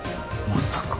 まさか。